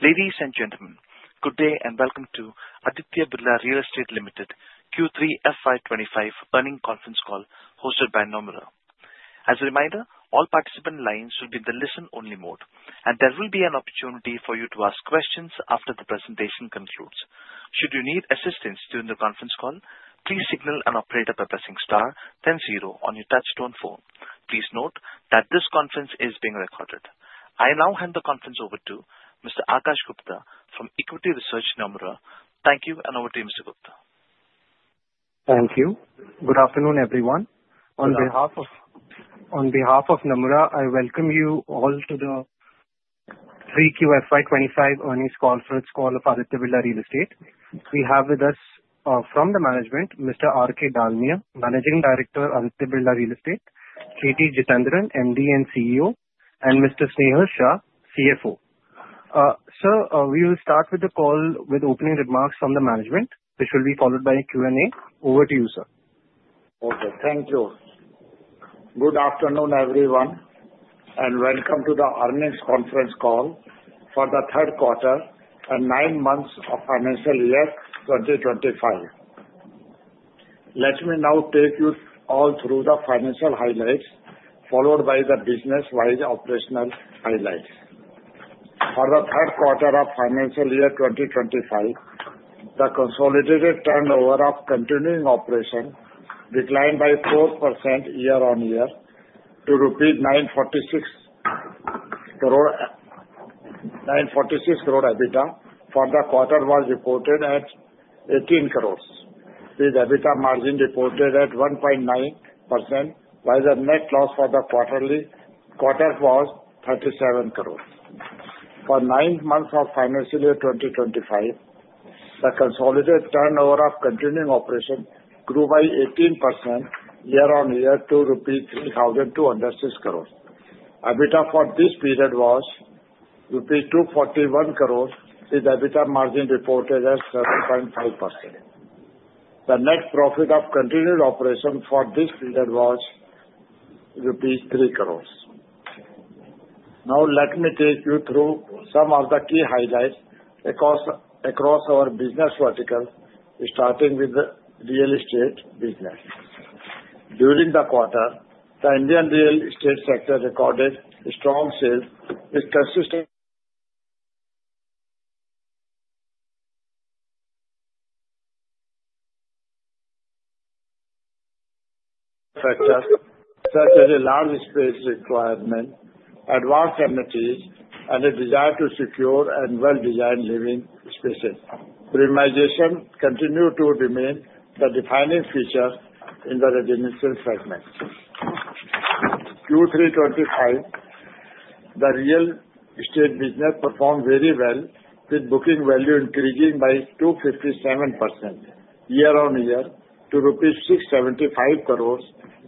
Ladies and gentlemen, good day and welcome to Aditya Birla Real Estate Limited Q3 FY25 earnings conference call hosted by Nomura. As a reminder, all participant lines will be in the listen-only mode, and there will be an opportunity for you to ask questions after the presentation concludes. Should you need assistance during the conference call, please press star, then zero on your touchtone phone. Please note that this conference is being recorded. I now hand the conference over to Mr. Akash Gupta from Equity Research, Nomura. Thank you, and over to you, Mr. Gupta. Thank you. Good afternoon, everyone. Good afternoon. On behalf of Nomura, I welcome you all to the Q3 FY25 earnings conference call of Aditya Birla Real Estate. We have with us from the management, Mr. R. K. Dalmia, Managing Director of Aditya Birla Real Estate, K. T. Jitendran, MD and CEO, and Mr. Snehal Shah, CFO. Sir, we will start with the call with opening remarks from the management, which will be followed by a Q&A. Over to you, sir. Okay. Thank you. Good afternoon, everyone, and welcome to the earnings conference call for the third quarter and nine months of financial year 2025. Let me now take you all through the financial highlights, followed by the business-wide operational highlights. For the third quarter of financial year 2025, the consolidated turnover of continuing operation declined by 4% year-on-year to ₹946 crore. EBITDA for the quarter was reported at ₹18 crores. With EBITDA margin reported at 1.9%, while the net loss for the quarter was ₹37 crores. For nine months of financial year 2025, the consolidated turnover of continuing operation grew by 18% year-on-year to ₹3,206 crores. EBITDA for this period was ₹241 crores, with EBITDA margin reported at 7.5%. The net profit of continued operation for this period was ₹3 crores. Now, let me take you through some of the key highlights across our business vertical, starting with the real estate business. During the quarter, the Indian real estate sector recorded strong sales, which consisted of factors such as a large space requirement, advanced amenities, and a desire to secure and well-designed living spaces. Premiumization continued to remain the defining feature in the residential segment. Q3 25, the real estate business performed very well, with booking value increasing by 257% year-on-year to ₹675 crores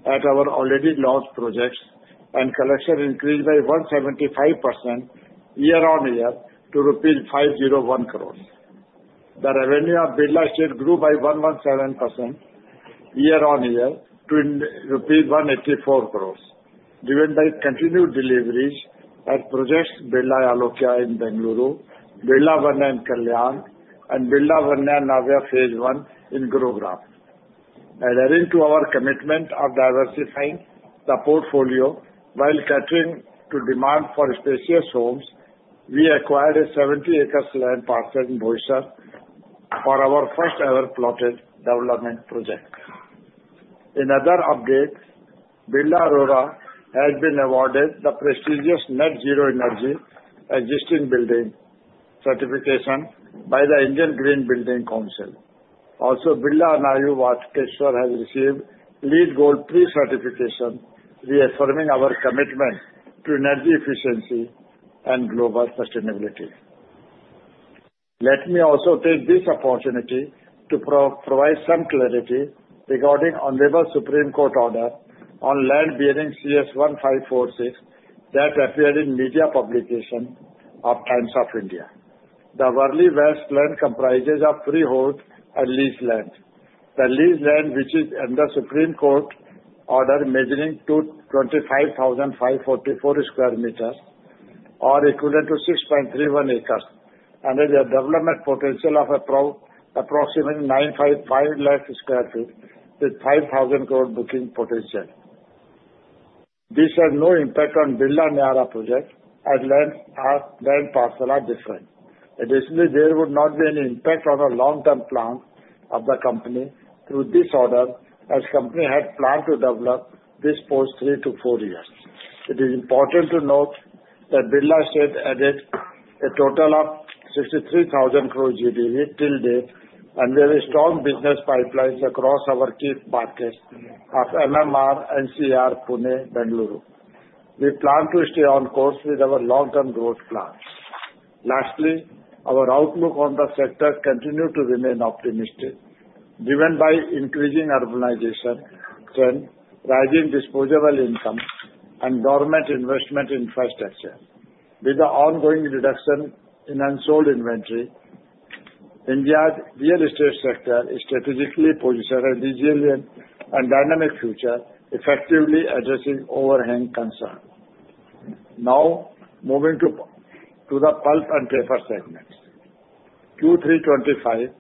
at our already launched projects, and collection increased by 175% year-on-year to ₹501 crores. The revenue of Birla Estates grew by 117% year-on-year to ₹184 crores, driven by continued deliveries at projects: Birla Alokya in Bengaluru, Birla Vanya in Kalyan, and Birla Navya Phase 1 in Gurugram. Adhering to our commitment of diversifying the portfolio while catering to demand for spacious homes, we acquired a 70-acre land parcel in Boisar for our first-ever plotted development project. In other updates, Birla Aurora has been awarded the prestigious Net Zero Energy Existing Building certification by the Indian Green Building Council. Also, Birla Anayu Walkeshwar has received LEED Gold III certification, reaffirming our commitment to energy efficiency and global sustainability. Let me also take this opportunity to provide some clarity regarding the Honorable Supreme Court order on land bearing CS 1546 that appeared in media publication of Times of India. The Worli West land comprises of freehold and leased land. The leased land, which is under Supreme Court order measuring 25,544 square meters, or equivalent to 6.31 acres, and has a development potential of approximately 955 lakh sq ft with INR 5,000 crore booking potential. This has no impact on Birla Niyaara project as land parcels are different. Additionally, there would not be any impact on the long-term plan of the company through this order, as the company had planned to develop this post three to four years. It is important to note that Birla Estates added a total of 63,000 crores GDV till date, and we have strong business pipelines across our key markets of MMR, NCR, Pune, Bengaluru. We plan to stay on course with our long-term growth plans. Lastly, our outlook on the sector continues to remain optimistic, driven by increasing urbanization trend, rising disposable income, and government investment infrastructure. With the ongoing reduction in unsold inventory, India's real estate sector is strategically positioned with resilient and dynamic futures, effectively addressing overhang concerns. Now, moving to the pulp and paper segment. Q3 2025,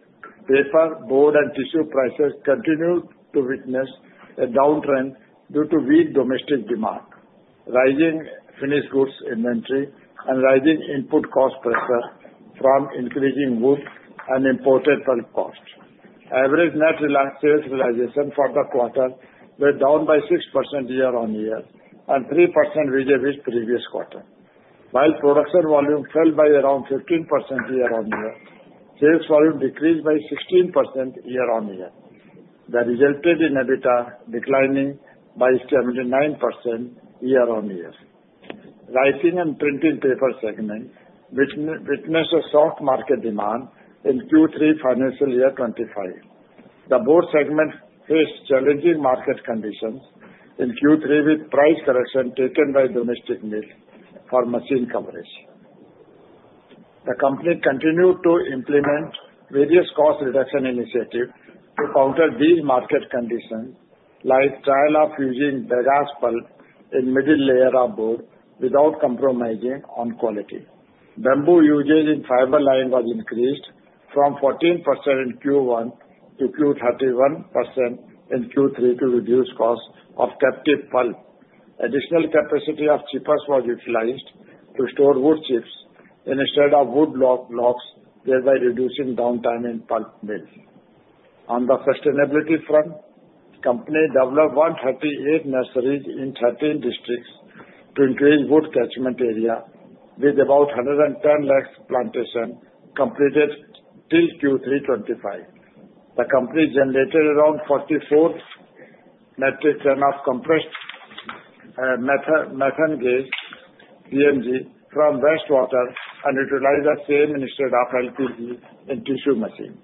paper, board, and tissue prices continued to witness a downtrend due to weak domestic demand, rising finished goods inventory, and rising input cost pressure from increasing wood and imported pulp costs. Average net sales realization for the quarter went down by 6% year-on-year and 3% within the previous quarter. While production volume fell by around 15% year-on-year, sales volume decreased by 16% year-on-year. That resulted in EBITDA declining by 79% year-on-year. Writing and printing paper segment witnessed a soft market demand in Q3 financial year 2025. The board segment faced challenging market conditions in Q3 with price correction taken by domestic needs for machine coverage. The company continued to implement various cost reduction initiatives to counter these market conditions, like trial of using bagasse pulp in the middle layer of board without compromising on quality. Bamboo usage in fiber line was increased from 14% in Q1 to 31% in Q3 to reduce the cost of captive pulp. Additional capacity of chippers was utilized to store wood chips instead of wood blocks, thereby reducing downtime in pulp mills. On the sustainability front, the company developed 138 nurseries in 13 districts to increase wood catchment area, with about 110 lakh plantations completed till Q3 25. The company generated around 44 metric tons of compressed methane gas (CMG) from wastewater and utilized the same instead of LPG in tissue machines.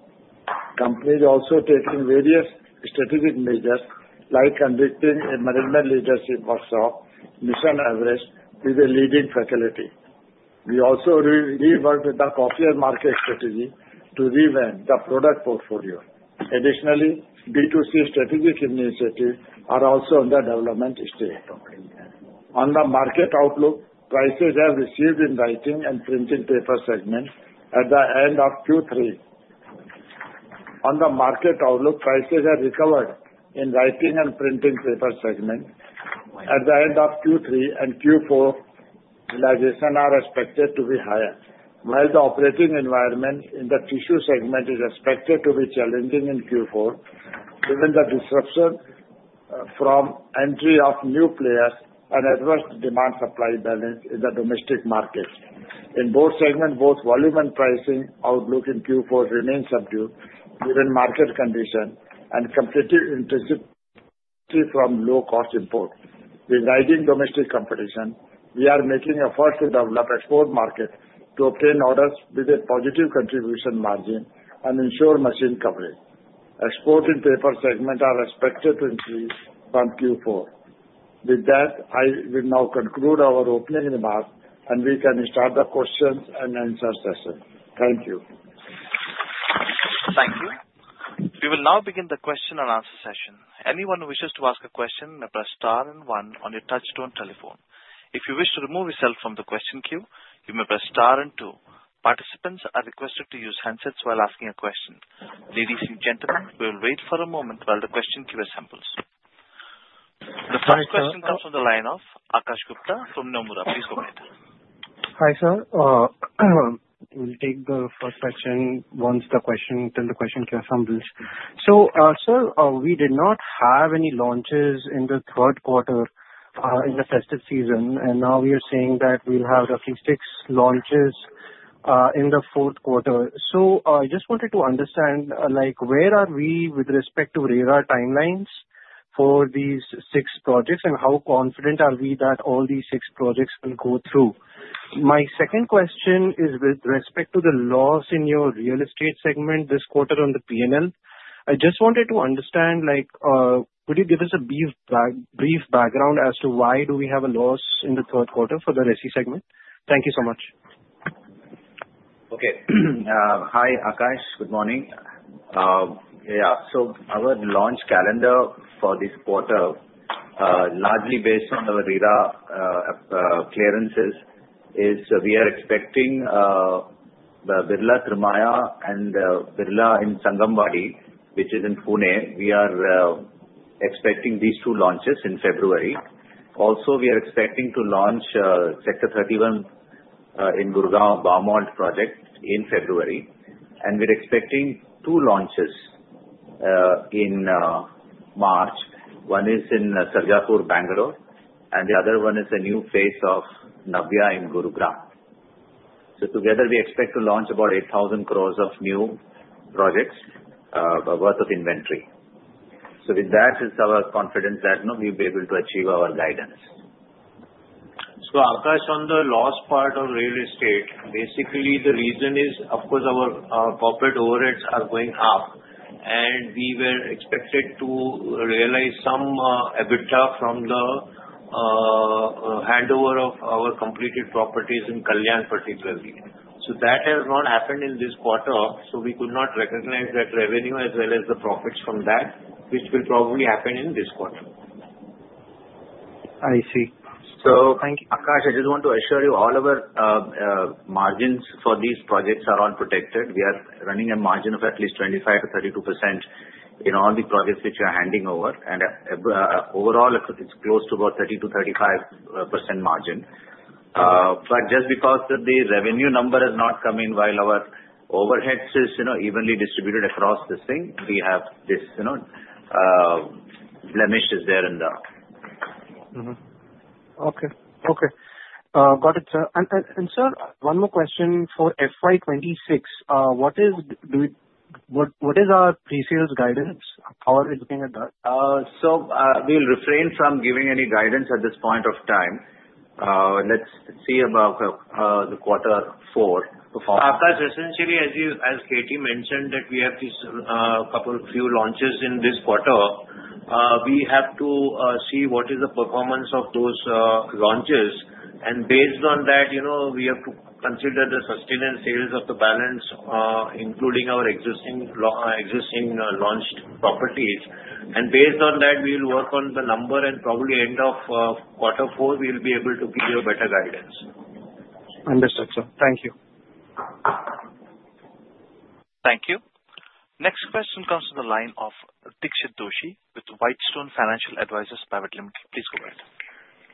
The company is also taking various strategic measures, like conducting a management leadership workshop, mission-average, with a leading facility. We also reworked the coffee market strategy to revamp the product portfolio. Additionally, B2C strategic initiatives are also in the development stage. On the market outlook, prices have receded in writing and printing paper segments at the end of Q3. On the market outlook, prices have recovered in writing and printing paper segments. At the end of Q3 and Q4, realization is expected to be higher, while the operating environment in the tissue segment is expected to be challenging in Q4, given the disruption from the entry of new players and adverse demand-supply balance in the domestic market. In both segments, both volume and pricing outlook in Q4 remain subdued, given market conditions and competitive intensity from low-cost import. With rising domestic competition, we are making efforts to develop export markets to obtain orders with a positive contribution margin and ensure machine coverage. Export and paper segments are expected to increase from Q4. With that, I will now conclude our opening remarks, and we can start the questions and answer session. Thank you. Thank you. We will now begin the question and answer session. Anyone who wishes to ask a question may press star and 1 on your touch-tone telephone. If you wish to remove yourself from the question queue, you may press star and 2. Participants are requested to use handsets while asking a question. Ladies and gentlemen, we will wait for a moment while the question queue assembles. The first question comes from the line of Akash Gupta from Nomura. Please go ahead. Hi, sir. We'll take the first question once the question queue assembles. So, sir, we did not have any launches in the third quarter in the festive season, and now we are saying that we'll have roughly six launches in the fourth quarter. So I just wanted to understand, where are we with respect to RERA timelines for these six projects, and how confident are we that all these six projects will go through? My second question is with respect to the loss in your real estate segment this quarter on the P&L. I just wanted to understand, could you give us a brief background as to why do we have a loss in the third quarter for the RESI segment? Thank you so much. Okay. Hi, Akash. Good morning. Yeah. So our launch calendar for this quarter, largely based on the RERA clearances, is we are expecting Birla Trimaya and Birla in Sangamwadi, which is in Pune. We are expecting these two launches in February. Also, we are expecting to launch Sector 31 in Gurugram Barmalt project in February. And we're expecting two launches in March. One is in Sarjapur, Bengaluru, and the other one is a new phase of Navya in Gurugram. So together, we expect to launch about 8,000 crore of new projects worth of inventory. So with that, it's our confidence that we'll be able to achieve our guidance. Akash, on the loss part of real estate, basically, the reason is, of course, our corporate overheads are going up, and we were expected to realize some EBITDA from the handover of our completed properties in Kalyan, particularly. That has not happened in this quarter, so we could not recognize that revenue as well as the profits from that, which will probably happen in this quarter. I see. So, Akash, I just want to assure you all of our margins for these projects are all protected. We are running a margin of at least 25%-32% in all the projects which we are handing over. And overall, it's close to about 30%-35% margin. But just because the revenue number has not come in while our overhead is evenly distributed across this thing, we have this blemish there in the. Okay. Okay. Got it, sir. And, sir, one more question for FY 26. What is our pre-sales guidance? How are we looking at that? So we'll refrain from giving any guidance at this point of time. Let's see about the quarter four performance. Akash, essentially, as K. T. mentioned, that we have a few launches in this quarter, we have to see what is the performance of those launches. And based on that, we have to consider the sustained sales of the balance, including our existing launched properties. And based on that, we'll work on the number, and probably end of quarter four, we'll be able to give you a better guidance. Understood, sir. Thank you. Thank you. Next question comes from the line of Dixit Doshi with Whitestone Financial Advisors Private Limited. Please go ahead.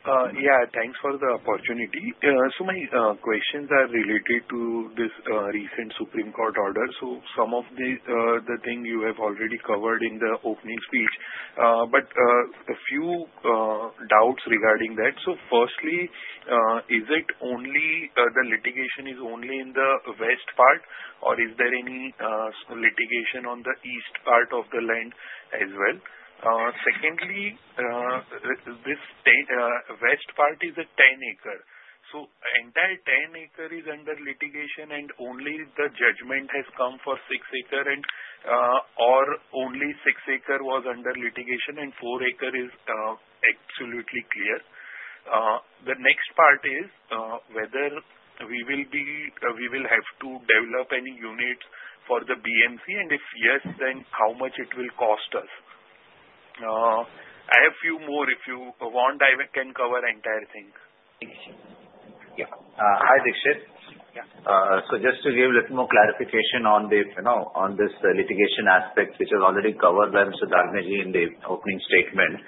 Yeah. Thanks for the opportunity. So my questions are related to this recent Supreme Court order. So some of the things you have already covered in the opening speech, but a few doubts regarding that. So firstly, is the litigation only in the west part, or is there any litigation on the east part of the land as well? Secondly, this west part is a 10-acre. So the entire 10 acres is under litigation, and only the judgment has come for 6 acres, or only 6 acres was under litigation, and 4 acres is absolutely clear. The next part is whether we will have to develop any units for the BMC, and if yes, then how much it will cost us. I have a few more. If you want, I can cover the entire thing. Thanks. Yeah. Hi, Dixit. So just to give a little more clarification on this litigation aspect, which was already covered by Mr. Dalmia in the opening statement.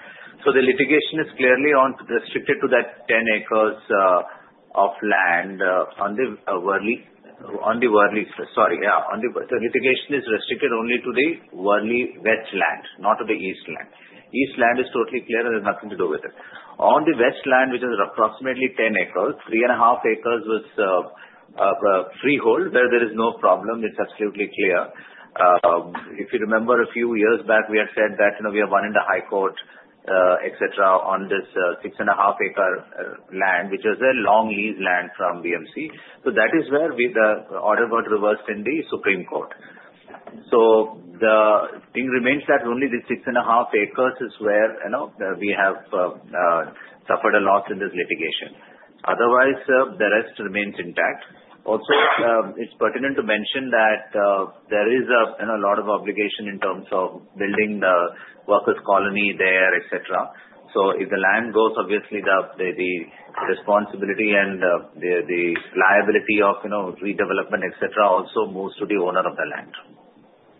So the litigation is clearly restricted to that 10 acres of land on the Worli. Sorry. Yeah. The litigation is restricted only to the Worli West land, not to the East land. East land is totally clear, and there's nothing to do with it. On the West land, which is approximately 10 acres, 3 and a half acres was freehold, where there is no problem. It's absolutely clear. If you remember, a few years back, we had said that we have won in the High Court, etc., on this 6 and a half acre land, which was a long lease land from BMC. So that is where the order got reversed in the Supreme Court. So the thing remains that only the six and a half acres is where we have suffered a loss in this litigation. Otherwise, the rest remains intact. Also, it's pertinent to mention that there is a lot of obligation in terms of building the workers' colony there, etc. So if the land goes, obviously, the responsibility and the liability of redevelopment, etc., also moves to the owner of the land.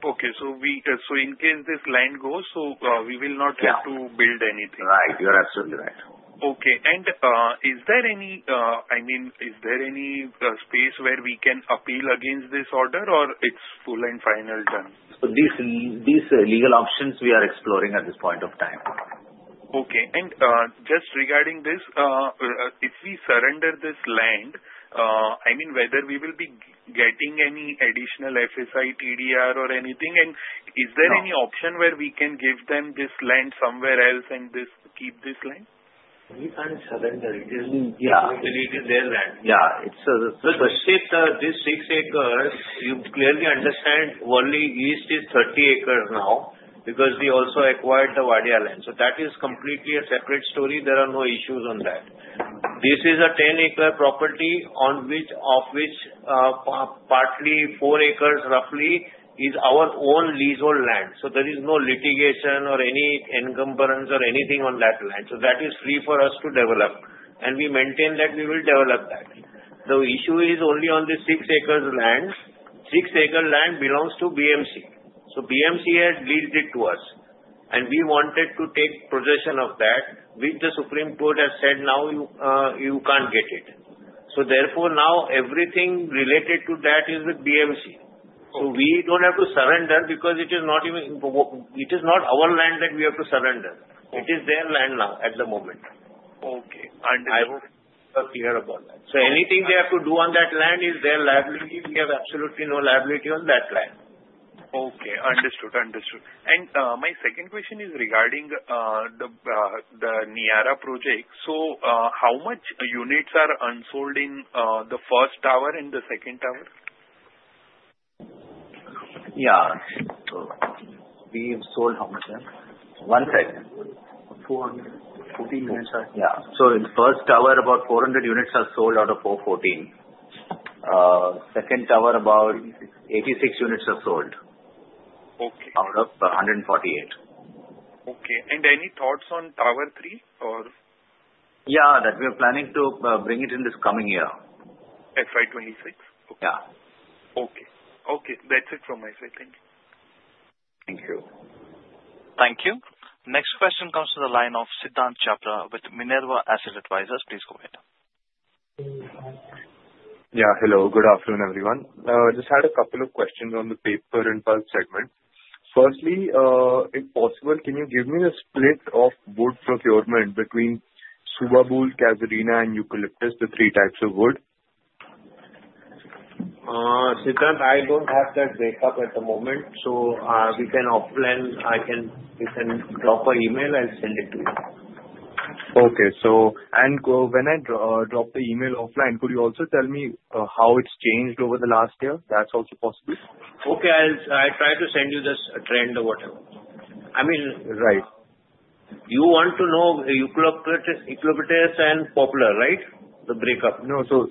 Okay. So in case this land goes, so we will not have to build anything. Right. You're absolutely right. Okay. And is there any, I mean, is there any space where we can appeal against this order, or it's full and final done? These legal options we are exploring at this point of time. Okay. And just regarding this, if we surrender this land, I mean, whether we will be getting any additional FSI, TDR, or anything, and is there any option where we can give them this land somewhere else and keep this land? We can surrender it. It is their land. Yeah. It's the shift. This 6 acres, you clearly understand, Worli East is 30 acres now because we also acquired the Wadia land. So that is completely a separate story. There are no issues on that. This is a 10-acre property of which partly 4 acres, roughly, is our own leasehold land. So there is no litigation or any encumbrance or anything on that land. So that is free for us to develop. And we maintain that we will develop that. The issue is only on the 6-acre land. 6-acre land belongs to BMC. So BMC has leased it to us, and we wanted to take possession of that, which the Supreme Court has said now you can't get it. So therefore, now everything related to that is with BMC. So we don't have to surrender because it is not our land that we have to surrender. It is their land now at the moment. Okay. Understood. I hope you are clear about that. So anything they have to do on that land is their liability. We have absolutely no liability on that land. Okay. Understood. Understood. And my second question is regarding the Niyaara project. So how much units are unsold in the first tower and the second tower? Yeah. We have sold how much? One second. 414 units. Yeah. So in the first tower, about 400 units are sold out of 414. Second tower, about 86 units are sold out of 148. Okay, and any thoughts on tower three or? Yeah. That we are planning to bring it in this coming year. FY 26? Yeah. Okay. Okay. That's it from my side. Thank you. Thank you. Thank you. Next question comes from the line of Siddhant Chhabra with Minerva Asset Advisors. Please go ahead. Yeah. Hello. Good afternoon, everyone. I just had a couple of questions on the paper and pulp segment. Firstly, if possible, can you give me a split of wood procurement between subabul, casuarina, and eucalyptus, the three types of wood? Siddhant, I don't have that backup at the moment. So we can offline. I can drop an email. I'll send it to you. Okay. When I drop the email offline, could you also tell me how it's changed over the last year? That's also possible. Okay. I'll try to send you this trend or whatever. I mean, you want to know eucalyptus and poplar, right, the breakup? No. So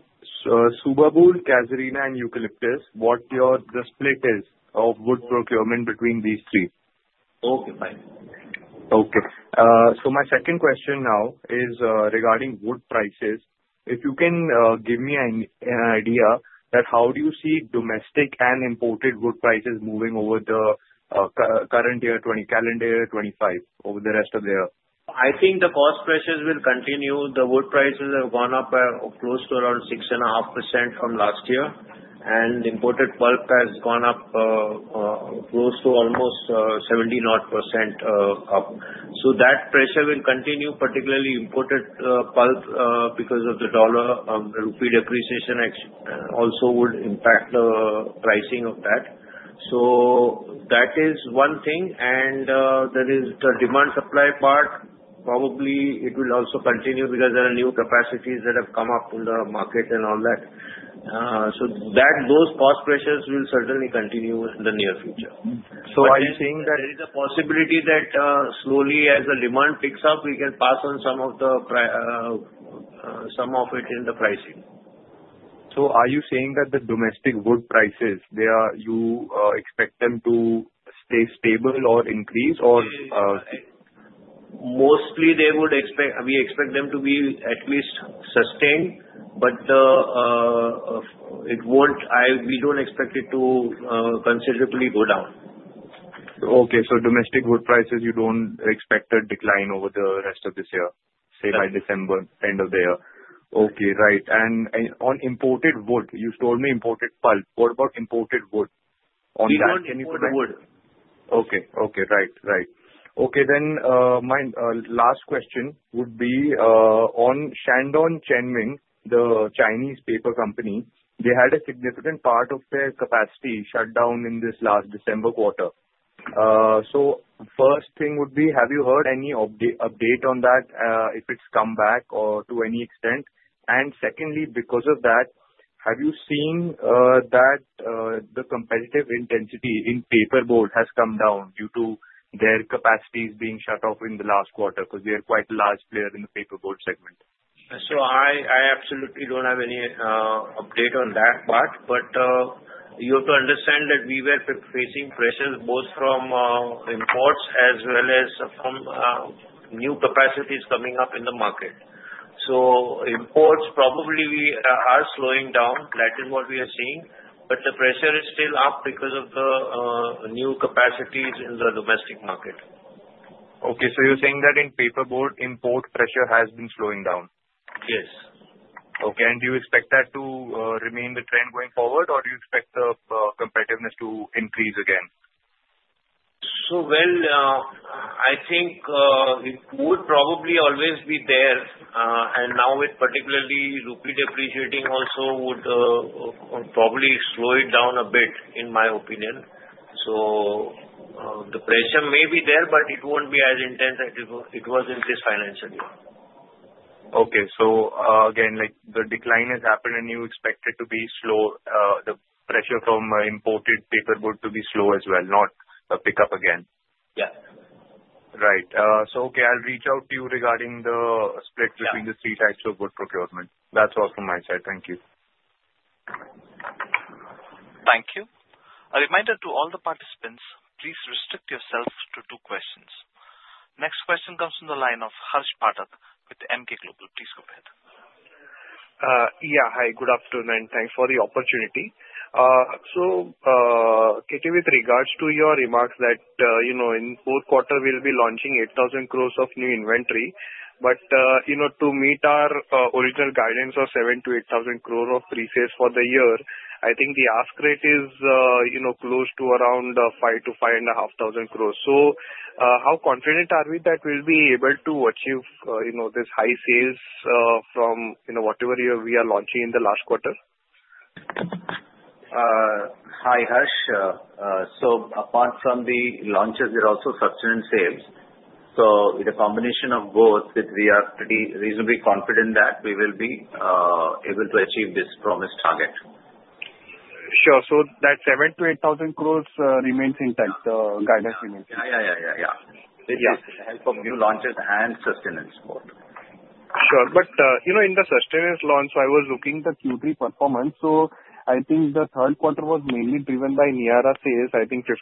Subabul, Casuarina, and eucalyptus, what your split is of wood procurement between these three? Okay. Fine. Okay. So my second question now is regarding wood prices. If you can give me an idea that how do you see domestic and imported wood prices moving over the current year, calendar year 2025, over the rest of the year? I think the cost pressures will continue. The wood prices have gone up close to around 6.5% from last year. And imported pulp has gone up close to almost 70-odd% up. So that pressure will continue, particularly imported pulp because of the dollar rupee depreciation also would impact the pricing of that. So that is one thing. And there is the demand-supply part. Probably it will also continue because there are new capacities that have come up in the market and all that. So those cost pressures will certainly continue in the near future. So are you saying that? There is a possibility that slowly, as the demand picks up, we can pass on some of it in the pricing. So are you saying that the domestic wood prices, you expect them to stay stable or increase or? Mostly, we expect them to be at least sustained, but we don't expect it to considerably go down. Okay. So domestic wood prices, you don't expect a decline over the rest of this year, say by December, end of the year. Okay. Right. And on imported wood, you told me imported pulp. What about imported wood on that? Can you provide? We want more wood. Then my last question would be on Shandong Chenming, the Chinese paper company. They had a significant part of their capacity shut down in this last December quarter. So first thing would be, have you heard any update on that, if it's come back or to any extent? And secondly, because of that, have you seen that the competitive intensity in paperboard has come down due to their capacities being shut off in the last quarter because they are quite a large player in the paperboard segment? So I absolutely don't have any update on that part. But you have to understand that we were facing pressures both from imports as well as from new capacities coming up in the market. So imports probably are slowing down. That is what we are seeing. But the pressure is still up because of the new capacities in the domestic market. Okay. So you're saying that in paperboard, import pressure has been slowing down? Yes. Okay. And do you expect that to remain the trend going forward, or do you expect the competitiveness to increase again? So, well, I think it would probably always be there. And now, with particularly rupee depreciating, also would probably slow it down a bit, in my opinion. So the pressure may be there, but it won't be as intense as it was in this financial year. Okay. So again, the decline has happened, and you expect it to be slow, the pressure from imported paperboard to be slow as well, not a pickup again? Yeah. Right. So okay. I'll reach out to you regarding the split between the three types of wood procurement. That's all from my side. Thank you. Thank you. A reminder to all the participants, please restrict yourselves to two questions. Next question comes from the line of Harsh Bhatia with Emkay Global. Please go ahead. Yeah. Hi. Good afternoon, and thanks for the opportunity. K. T., with regards to your remarks that in fourth quarter, we'll be launching 8,000 crore of new inventory. But to meet our original guidance of 7,000-8,000 crore of pre-sales for the year, I think the ask rate is close to around 5,000-5,500 crore. So how confident are we that we'll be able to achieve this high sales from whatever we're launching in the last quarter? Hi, Harsh. So apart from the launches, there are also subsequent sales. So with a combination of both, we are pretty reasonably confident that we will be able to achieve this promised target. Sure. So that 7,000-8,000 crores remains intact, the guidance remains intact. It's the help of new launches and sustenance support. Sure, but in the sustainable launch, I was looking at the Q3 performance. So I think the third quarter was mainly driven by Niyaara sales. I think 55%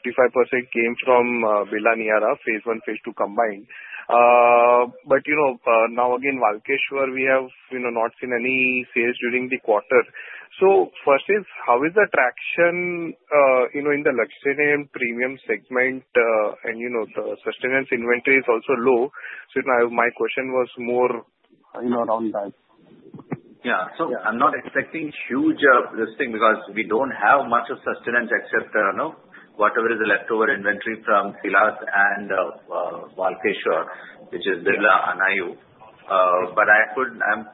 came from Birla Niyaara, phase one, phase two combined. But now, again, Walkeshwar, we have not seen any sales during the quarter. So first is, how is the traction in the luxury and premium segment? And the sustainable inventory is also low. So my question was more around that. Yeah. So I'm not expecting huge listing because we don't have much of sustenance except whatever is leftover inventory from Silas and Walkeshwar, which is Birla Anayu. But I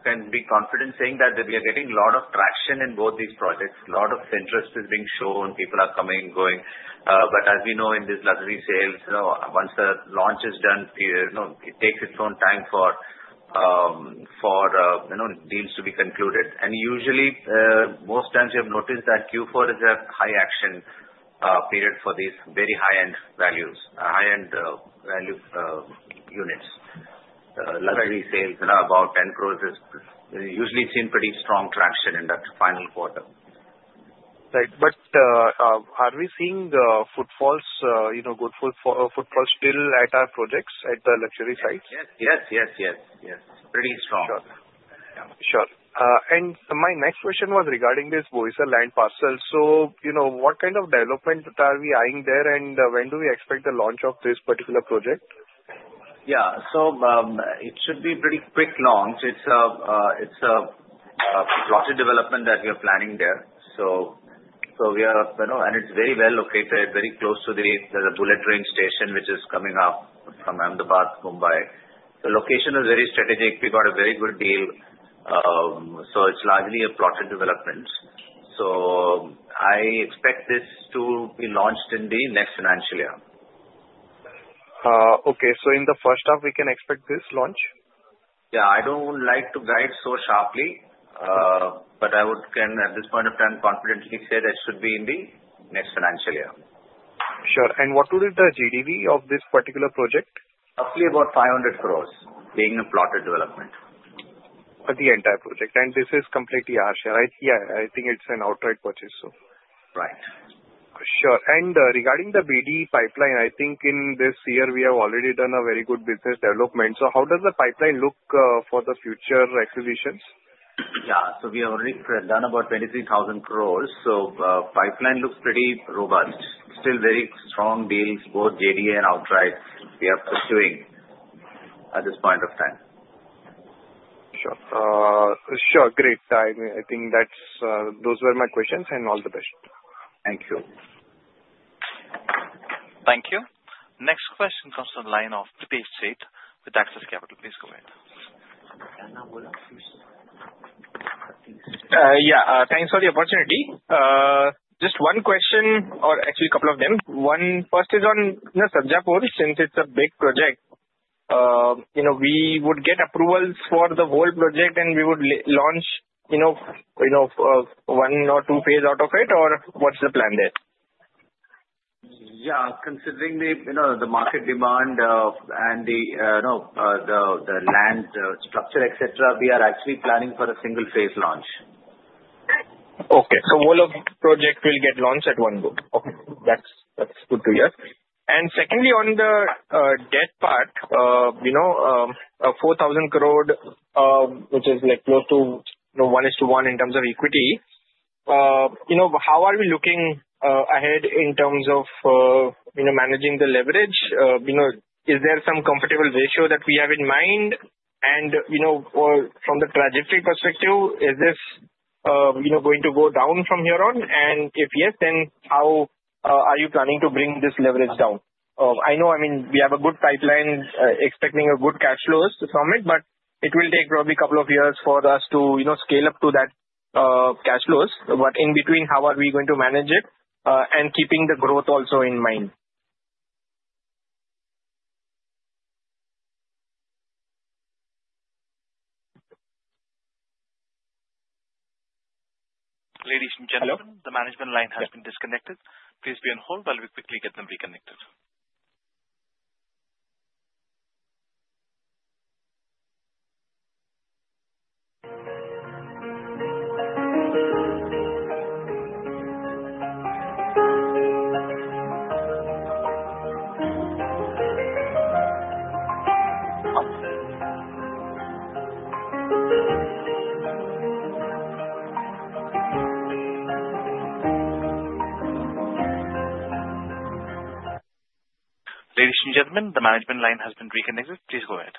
can be confident saying that we are getting a lot of traction in both these projects. A lot of interest is being shown. People are coming and going. But as we know, in these luxury sales, once the launch is done, it takes its own time for deals to be concluded. And usually, most times, you have noticed that Q4 is a high action period for these very high-end values, high-end value units. Luxury sales, about 10 crores, usually seen pretty strong traction in that final quarter. Right. But are we seeing good footfall still at our projects, at the luxury sites? Yes. Yes. Yes. Yes. Pretty strong. Sure. Sure. My next question was regarding this Boisar land parcel. What kind of development are we eyeing there, and when do we expect the launch of this particular project? Yeah. So it should be a pretty quick launch. It's a plotted development that we are planning there. So we are, and it's very well located, very close to the bullet train station, which is coming up from Ahmedabad, Mumbai. The location is very strategic. We got a very good deal. So it's largely a plotted development. So I expect this to be launched in the next financial year. Okay, so in the first half, we can expect this launch? Yeah. I don't like to guide so sharply, but I can, at this point of time, confidently say that it should be in the next financial year. Sure. And what would be the GDV of this particular project? Roughly about 500 crores being a plotted development. For the entire project. And this is completely your share, right? Yeah. I think it's an outright purchase, so. Right. Sure. And regarding the BD pipeline, I think in this year, we have already done a very good business development. So how does the pipeline look for the future acquisitions? Yeah. So we have already done about 23,000 crores. So pipeline looks pretty robust. Still very strong deals, both JDA and outright, we are pursuing at this point of time. Sure. Sure. Great. I think those were my questions. And all the best. Thank you. Thank you. Next question comes from the line of Pritesh Sheth with Axis Capital. Please go ahead. Yeah. Thanks for the opportunity. Just one question, or actually a couple of them. One first is on Sarjapur, since it's a big project. We would get approvals for the whole project, and we would launch one or two phase out of it, or what's the plan there? Yeah. Considering the market demand and the land structure, etc., we are actually planning for a single-phase launch. Okay. So all of the project will get launched at one go. Okay. That's good to hear. And secondly, on the debt part, 4,000 crore, which is close to 1:1 in terms of equity, how are we looking ahead in terms of managing the leverage? Is there some comfortable ratio that we have in mind? And from the trajectory perspective, is this going to go down from here on? And if yes, then how are you planning to bring this leverage down? I know, I mean, we have a good pipeline expecting a good cash flows from it, but it will take probably a couple of years for us to scale up to that cash flows. But in between, how are we going to manage it and keeping the growth also in mind? Ladies and gentlemen, the management line has been disconnected. Please be on hold while we quickly get them reconnected. Ladies and gentlemen, the management line has been reconnected. Please go ahead.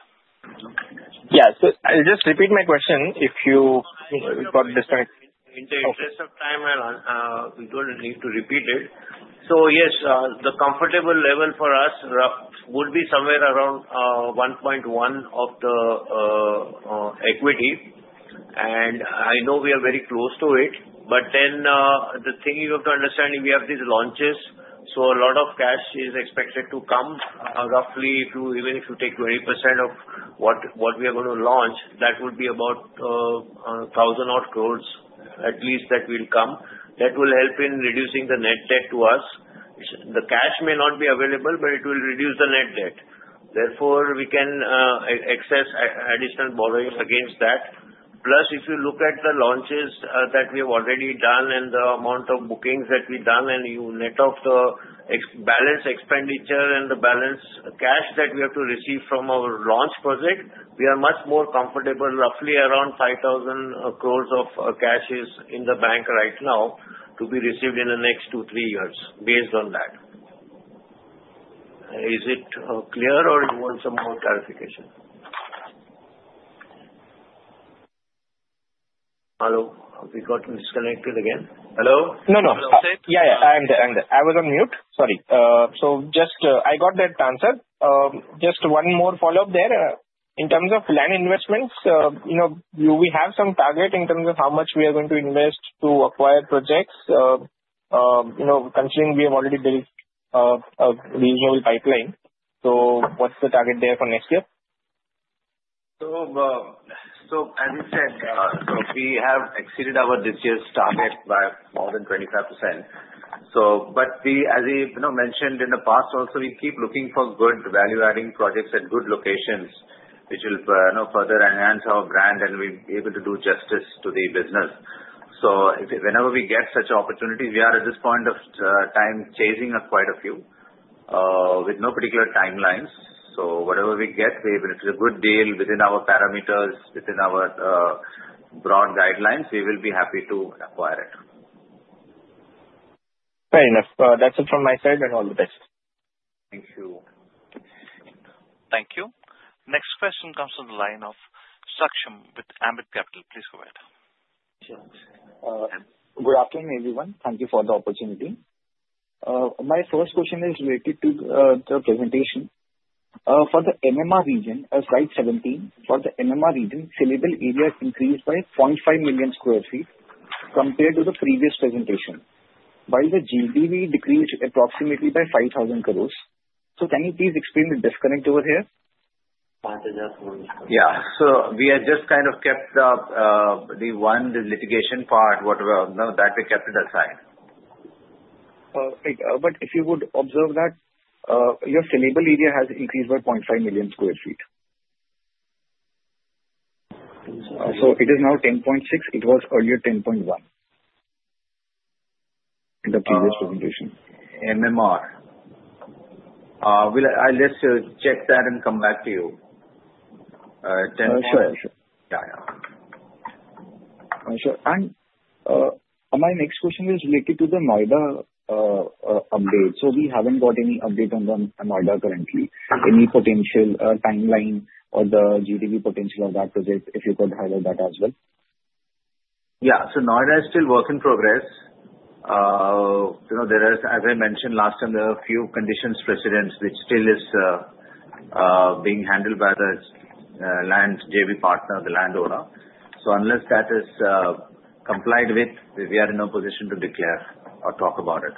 Yeah. So just repeat my question if you got disconnected. In the interest of time, we don't need to repeat it. So yes, the comfortable level for us would be somewhere around 1.1 of the equity. And I know we are very close to it. But then the thing you have to understand, we have these launches. So a lot of cash is expected to come. Roughly, even if you take 20% of what we are going to launch, that would be about 1,000-odd crore at least that will come. That will help in reducing the net debt to us. The cash may not be available, but it will reduce the net debt. Therefore, we can access additional borrowing against that. Plus, if you look at the launches that we have already done and the amount of bookings that we've done and you net off the balance expenditure and the balance cash that we have to receive from our launch project, we are much more comfortable. Roughly around 5,000 crores of cash is in the bank right now to be received in the next two, three years based on that. Is it clear, or do you want some more clarification? Hello? We got disconnected again. Hello? No, no. Hello. Yeah. Yeah. I'm there. I'm there. I was on mute. Sorry. So I got that answer. Just one more follow-up there. In terms of land investments, do we have some target in terms of how much we are going to invest to acquire projects considering we have already built a reasonable pipeline? So what's the target there for next year? As you said, we have exceeded our this year's target by more than 25%. But as I mentioned in the past, also, we keep looking for good value-adding projects at good locations, which will further enhance our brand and be able to do justice to the business. Whenever we get such opportunities, we are at this point of time chasing quite a few with no particular timelines. Whatever we get, if it's a good deal within our parameters, within our broad guidelines, we will be happy to acquire it. Fair enough. That's it from my side. And all the best. Thank you. Thank you. Next question comes from the line of Saksham with Ambit Capital. Please go ahead. Sure. Good afternoon, everyone. Thank you for the opportunity. My first question is related to the presentation. For the MMR region, slide 17, for the MMR region, sellable area increased by 0.5 million sq ft compared to the previous presentation, while the GDV decreased approximately by 5,000 crore. Can you please explain the disconnect over here? Yeah. So we had just kind of kept the one litigation part that we kept it aside. Right. But if you would observe that your sellable area has increased by 0.5 million sq ft. So it is now 10.6. It was earlier 10.1 in the previous presentation. MMR. Let's check that and come back to you. Sure. Sure. Yeah. Yeah. Sure. And my next question is related to the Noida update. So we haven't got any update on Noida currently. Any potential timeline or the GDV potential of that project, if you could highlight that as well? Yeah, so Noida is still a work in progress. As I mentioned last time, there are a few conditions precedent which still are being handled by the land JV partner, the land owner, so unless that is complied with, we are in no position to declare or talk about it.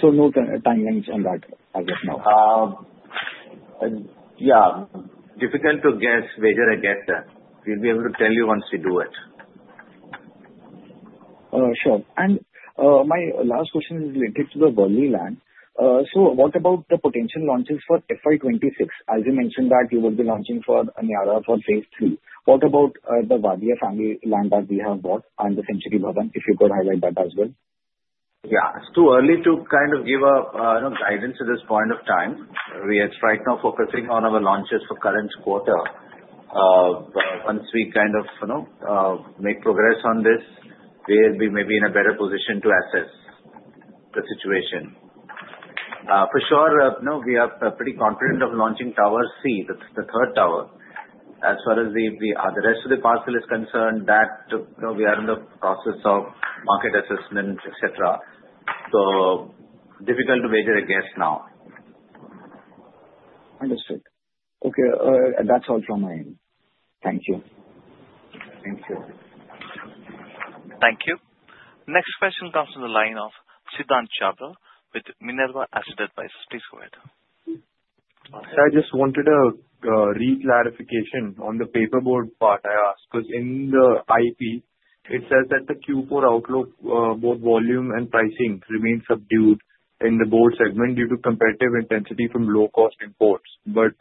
So no timelines on that as of now? Yeah. Difficult to guess where you're gonna get there. We'll be able to tell you once we do it. Sure, and my last question is related to the Worli land, so what about the potential launches for FY26? As you mentioned that you will be launching for Niyaara for phase three. What about the Vadiya family land that we have bought and the Century Bhavan? If you could highlight that as well. Yeah. It's too early to kind of give guidance at this point of time. We are right now focusing on our launches for current quarter. Once we kind of make progress on this, we'll be maybe in a better position to assess the situation. For sure, we are pretty confident of launching Tower C, the third tower. As far as the rest of the parcel is concerned, we are in the process of market assessment, etc. So difficult to measure against now. Understood. Okay. That's all from my end. Thank you. Thank you. Thank you. Next question comes from the line of Siddhant Chhabra with Minerva Asset Advisors. Please go ahead. I just wanted a reclarification on the paperboard part I asked because in the IP, it says that the Q4 outlook, both volume and pricing, remains subdued in the board segment due to competitive intensity from low-cost imports. But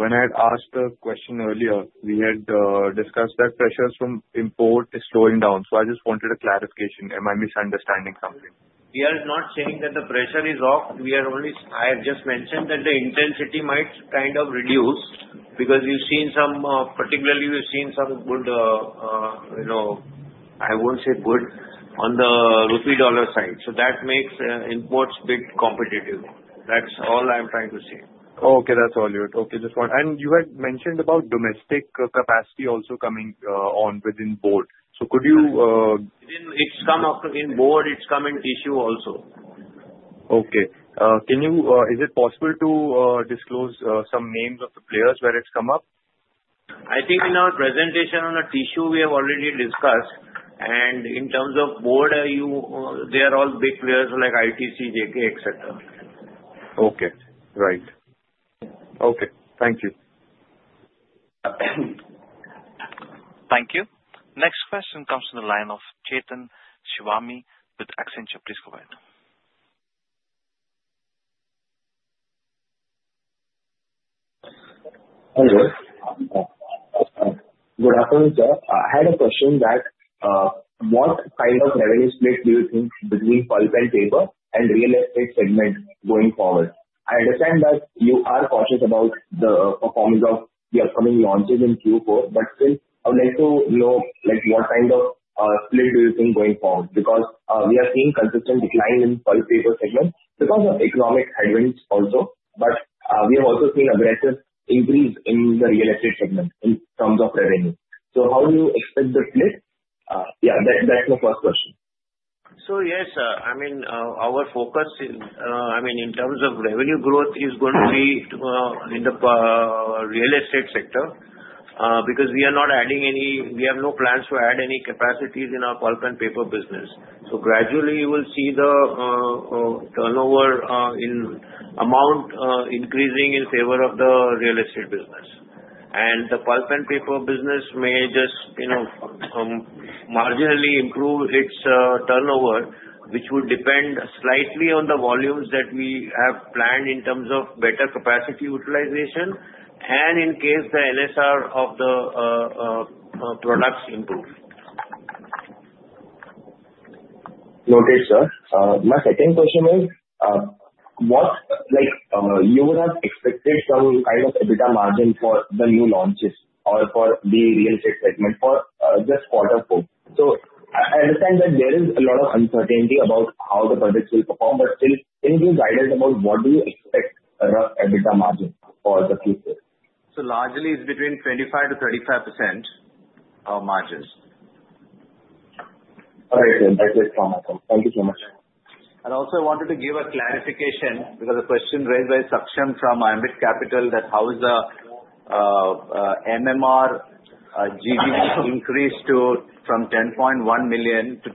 when I had asked the question earlier, we had discussed that pressures from imports are slowing down. So I just wanted a clarification. Am I misunderstanding something? We are not saying that the pressure is off. I have just mentioned that the intensity might kind of reduce because we've seen some particularly good - I won't say good - on the rupee-dollar side. So that makes imports a bit competitive. That's all I'm trying to say. Okay. That's all yours. Okay. And you had mentioned about domestic capacity also coming on within board. So could you? It's come up in board. It's come in tissue also. Okay. Is it possible to disclose some names of the players where it's come up? I think in our presentation on the tissue, we have already discussed. And in terms of board, they are all big players like ITC, JK, etc. Okay. Right. Okay. Thank you. Thank you. Next question comes from the line of Chetan Shivram with Accenture. Please go ahead. Hello. Good afternoon, sir. I had a question that what kind of revenue split do you think between pulp and paper and real estate segment going forward? I understand that you are cautious about the performance of the upcoming launches in Q4, but still, I would like to know what kind of split do you think going forward? Because we are seeing a consistent decline in pulp paper segment because of economic headwinds also, but we have also seen an aggressive increase in the real estate segment in terms of revenue. So how do you expect the split? Yeah. That's my first question. Yes. I mean, our focus, I mean, in terms of revenue growth, is going to be in the real estate sector because we are not adding any, we have no plans to add any capacities in our pulp and paper business. Gradually, you will see the turnover amount increasing in favor of the real estate business. The pulp and paper business may just marginally improve its turnover, which would depend slightly on the volumes that we have planned in terms of better capacity utilization and in case the NSR of the products improve. Noted, sir. My second question is, you would have expected some kind of EBITDA margin for the new launches or for the real estate segment for just quarter four. So I understand that there is a lot of uncertainty about how the projects will perform, but still, can you give guidance about what do you expect a rough EBITDA margin for the Q4? Largely, it's between 25%-35% of margins. All right. That's it from my side. Thank you so much. I also wanted to give a clarification because a question raised by Saksham from Ambit Capital that how is the MMR GDV increase from 10.1 million to 10.5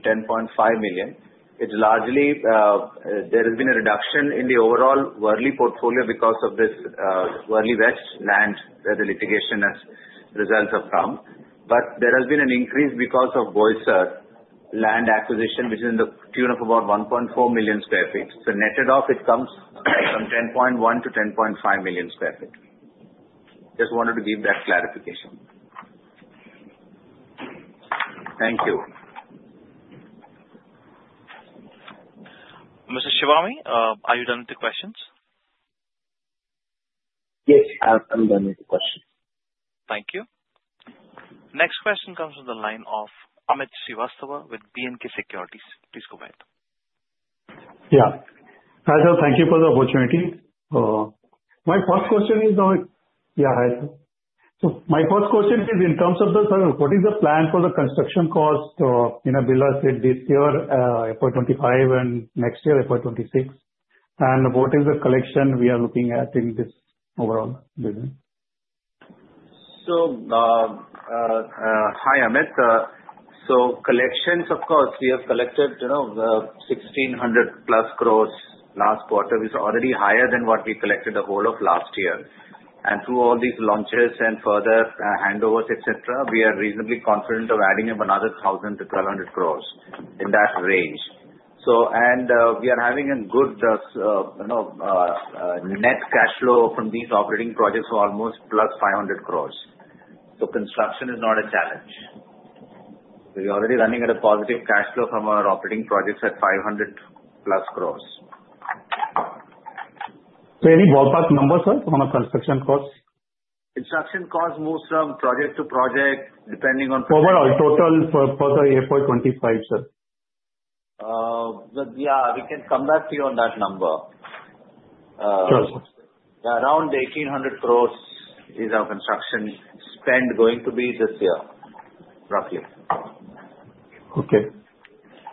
million. It's largely there has been a reduction in the overall Worli portfolio because of this Worli West land where the litigation results have come. But there has been an increase because of Boisar land acquisition, which is in the tune of about 1.4 million sq ft. So netted off, it comes from 10.1 to 10.5 million sq ft. Just wanted to give that clarification. Thank you. Mr. Shivram, are you done with the questions? Yes. I'm done with the questions. Thank you. Next question comes from the line of Amit Srivastava with BNK Securities. Please go ahead. Hi sir. Thank you for the opportunity. So my first question is in terms of this, sir, what is the plan for the construction cost in Birla Estates this year, FY25, and next year, FY26? And what is the collection we are looking at in this overall business? So hi, Amit. So collections, of course, we have collected 1,600-plus crores last quarter, which is already higher than what we collected the whole of last year. And through all these launches and further handovers, etc., we are reasonably confident of adding another 1,000-1,200 crores in that range. And we are having a good net cash flow from these operating projects for almost plus 500 crores. So construction is not a challenge. We are already running at a positive cash flow from our operating projects at 500-plus crores. So any ballpark number, sir, on a construction cost? Construction cost moves from project to project depending on. Overall total for the FY25, sir? Yeah. We can come back to you on that number. Sure, sir. Yeah. Around 1,800 crores is our construction spend going to be this year, roughly. Okay.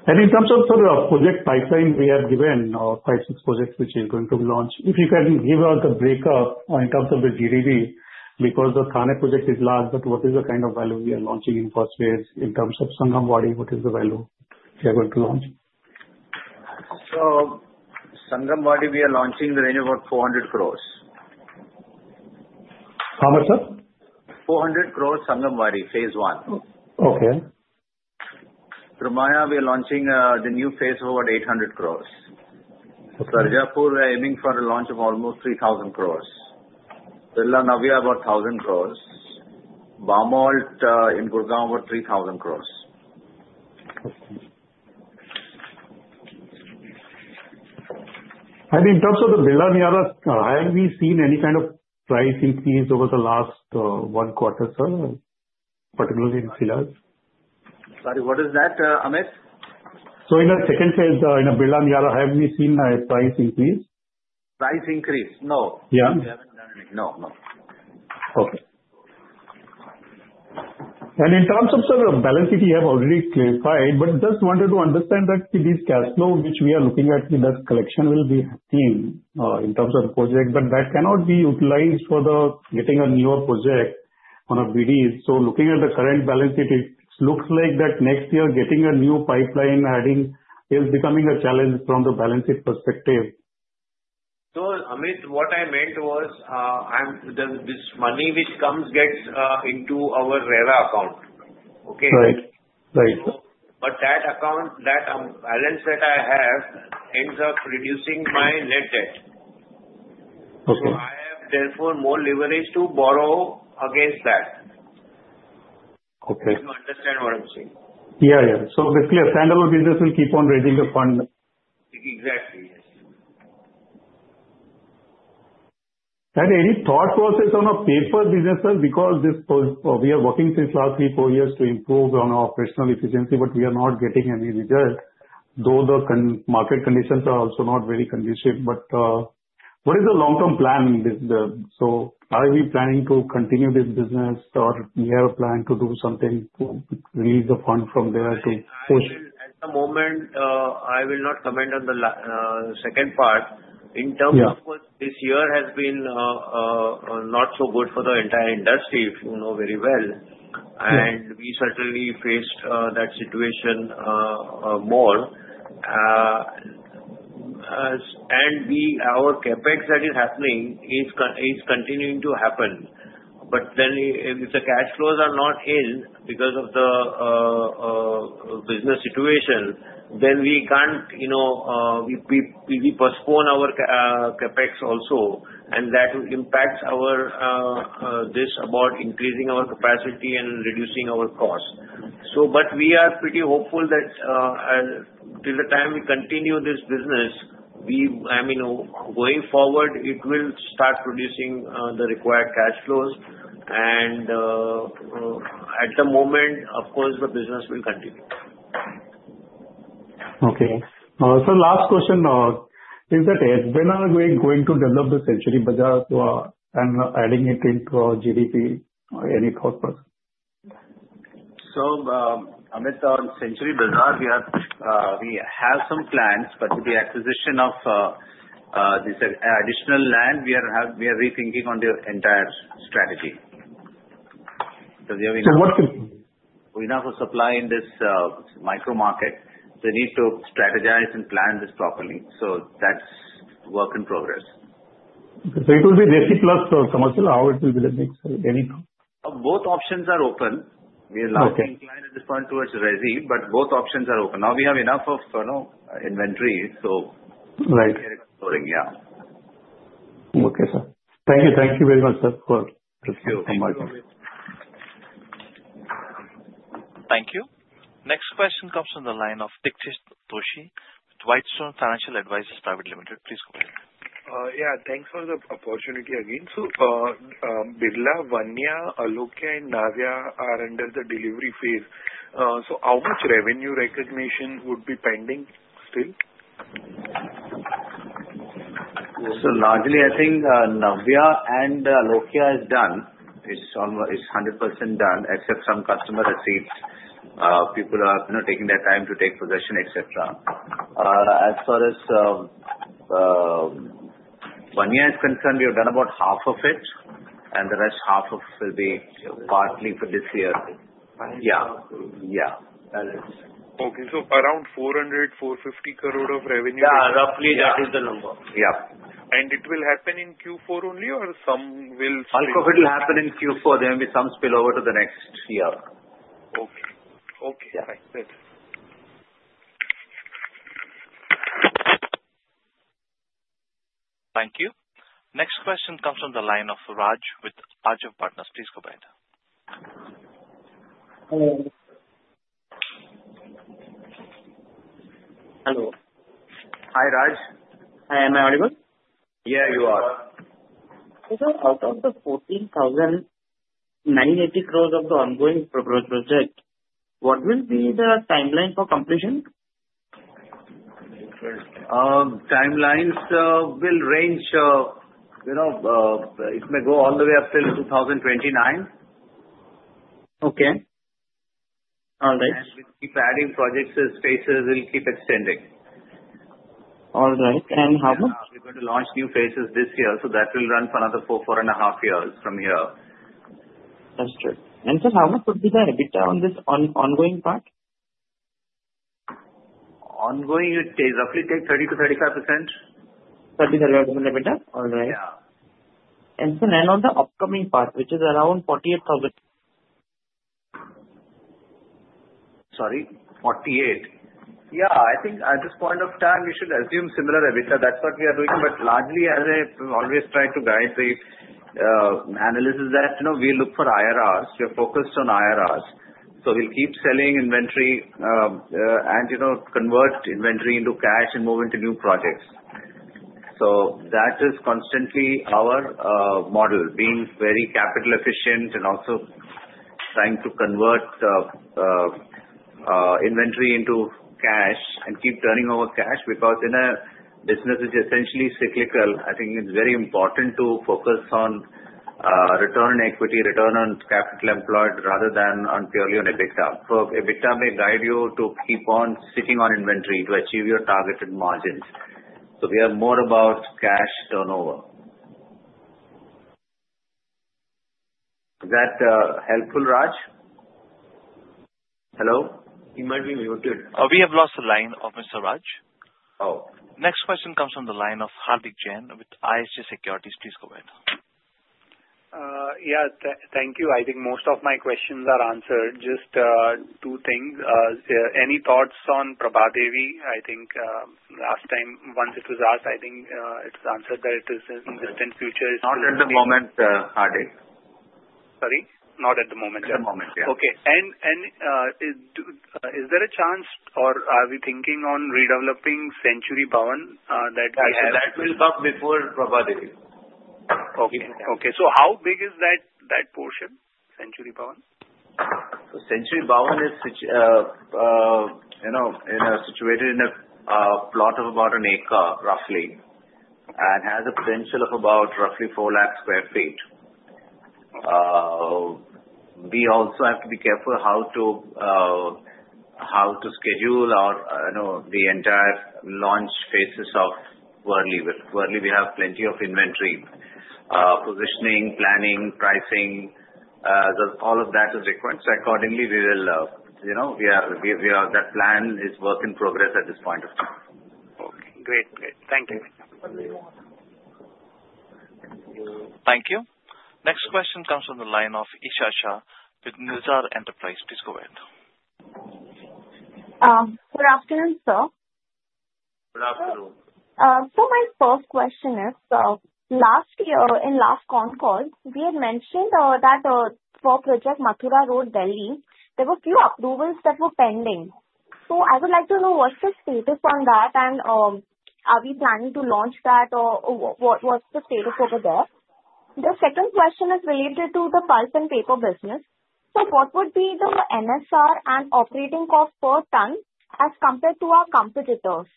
And in terms of sort of project pipeline, we have given five or six projects which are going to be launched. If you can give us a breakup in terms of the GDV because the Thane project is last, but what is the kind of value we are launching in first phase in terms of Sangamwadi? What is the value we are going to launch? Sangamwadi, we are launching the range of about 400 crores. How much, sir? 400 crores Sangamwadi, phase one. Okay. Trimaya, we are launching the new phase of about 800 crores. Sarjapur, we are aiming for a launch of almost 3,000 crores. Birla Navya, about 1,000 crores. Barmalt in Gurgaon, about 3,000 crores. Okay, and in terms of the Birla Niyaara, have we seen any kind of price increase over the last one quarter, sir, particularly in Silas? Sorry, what is that, Amit? So in the second phase, in Birla Niyaara, have we seen a price increase? Price increase? No. Yeah. We haven't done anything. No, no. Okay. And in terms of, sir, the balance sheet, you have already clarified, but just wanted to understand that this cash flow which we are looking at, the collection will be seen in terms of the project, but that cannot be utilized for getting a newer project on a BDS. So looking at the current balance sheet, it looks like that next year, getting a new pipeline adding is becoming a challenge from the balance sheet perspective. No, Amit, what I meant was this money which comes into our RERA account. Okay? Right. Right. But that account, that balance that I have ends up reducing my net debt. Okay. So I have, therefore, more leverage to borrow against that. Okay. You understand what I'm saying? Yeah. Yeah, so basically, a standalone business will keep on raising the fund. Exactly. Yes. Any thought process on a paper business, sir, because we are working since last three, four years to improve on our operational efficiency, but we are not getting any result, though the market conditions are also not very conducive. What is the long-term plan? Are we planning to continue this business, or do we have a plan to do something to release the fund from there to push? At the moment, I will not comment on the second part. In terms of this, this year has been not so good for the entire industry, if you know very well. And we certainly faced that situation more. And our CapEx that is happening is continuing to happen. But then if the cash flows are not in because of the business situation, then we can't postpone our CapEx also, and that impacts our this about increasing our capacity and reducing our cost. But we are pretty hopeful that till the time we continue this business, I mean, going forward, it will start producing the required cash flows. And at the moment, of course, the business will continue. Okay. So last question is that when are we going to develop the Century Bazaar and adding it into our GDV? Any thought process? So Amit, on Century Bazaar, we have some plans, but with the acquisition of this additional land, we are rethinking on the entire strategy because we have enough. So what can? We have a supply in this micro market. We need to strategize and plan this properly. So that's work in progress. So it will be Resi plus Commercial? How it will be? Let me see. Any. Both options are open. We are likely inclined at this point towards Resi, but both options are open. Now we have enough of inventory, so we are exploring. Yeah. Okay, sir. Thank you. Thank you very much, sir, for your information. You're welcome. Thank you. Next question comes from the line of Dixit Doshi with Whitestone Financial Advisors Private Limited. Please go ahead. Yeah. Thanks for the opportunity again. So Birla, Vanya, Alokya, and Navya are under the delivery phase. So how much revenue recognition would be pending still? So largely, I think Navya and Alokya is done. It's 100% done, except some customer receipts. People are taking their time to take possession, etc. As far as Vanya is concerned, we have done about half of it, and the rest half of it will be partly for this year. Yeah. Yeah. Okay, so around 400-450 crore of revenue. Yeah. Roughly, that is the number. Yeah. It will happen in Q4 only, or some will still? It will happen in Q4. There will be some spillover to the next year. Okay. Okay. Thanks. Thank you. Next question comes from the line of Raj with Arjav Partners. Please go ahead. Hello. Hello. Hi, Raj. Hi. Am I audible? Yeah, you are. So out of the 14,980 crores of the ongoing project, what will be the timeline for completion? Timelines will range. It may go all the way up till 2029. Okay. All right. We'll keep adding projects as phases will keep extending. All right, and how much? We're going to launch new phases this year, so that will run for another four, four and a half years from here. That's true. And sir, how much would be the EBITDA on this ongoing part? Ongoing, it will roughly take 30%-35%. 30%-35% EBITDA? All right. Yeah. Sir, on the upcoming part, which is around 48,000? Sorry? 48? Yeah. I think at this point of time, we should assume similar EBITDA. That's what we are doing. But largely, as I always try to guide the analysis that we look for IRRs. We are focused on IRRs. So we'll keep selling inventory and convert inventory into cash and move into new projects. So that is constantly our model, being very capital efficient and also trying to convert inventory into cash and keep turning over cash because in a business which is essentially cyclical, I think it's very important to focus on return on equity, return on capital employed rather than purely on EBITDA. So EBITDA may guide you to keep on sitting on inventory to achieve your targeted margins. So we are more about cash turnover. Is that helpful, Raj? Hello? He might be muted. We have lost the line of Mr. Raj. Oh. Next question comes from the line of Hardik Jain with ISJ Securities. Please go ahead. Yeah. Thank you. I think most of my questions are answered. Just two things. Any thoughts on Prabhadevi? I think last time, once it was asked, I think it was answered that it is in the distant future. Not at the moment, Hardik. Sorry? Not at the moment. At the moment, yeah. Okay. And is there a chance, or are we thinking on redeveloping Century Bhavan that? That will come before Prabhadevi. Okay. So how big is that portion, Century Bhavan? Century Bhavan is situated in a plot of about an acre, roughly, and has a potential of about roughly 4 lakh sq ft. We also have to be careful how to schedule the entire launch phases of Worli. Worli, we have plenty of inventory. Positioning, planning, pricing, all of that is required. Accordingly, we will have that plan is work in progress at this point of time. Okay. Great. Great. Thank you. Thank you. Next question comes from the line of Isha Shah with Nirzar Enterprise. Please go ahead. Good afternoon, sir. Good afternoon. So my first question is, last year in last con call, we had mentioned that for project Mathura Road, Delhi, there were a few approvals that were pending. So I would like to know what's the status on that, and are we planning to launch that, or what's the status over there? The second question is related to the pulp and paper business. So what would be the NSR and operating cost per ton as compared to our competitors?